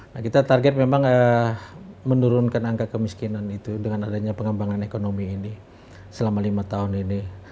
nah kita target memang menurunkan angka kemiskinan itu dengan adanya pengembangan ekonomi ini selama lima tahun ini